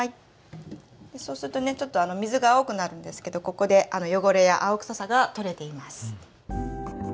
そうするとねちょっと水が青くなるんですけどここで汚れや青臭さが取れています。